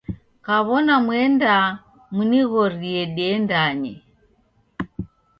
Kaw'ona muendaa munighorie diendanye.